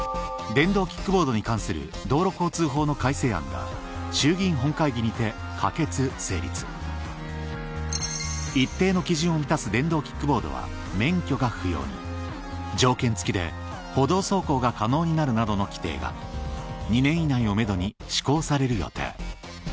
とあるニュースが話題に衆議院本会議にて一定の基準を満たす電動キックボードは免許が不要に条件付きで歩道走行が可能になるなどの規定が２年以内をめどに施行される予定ハハハ